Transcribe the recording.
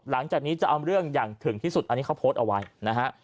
หลังจากนี้จะเอาเรื่องอย่างถึงที่สุดอันนี้เขาโพสต์เอาไว้นะฮะ